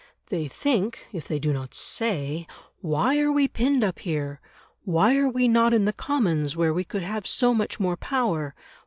They think, if they do not say, "Why are we pinned up here? Why are we not in the Commons where we could have so much more power?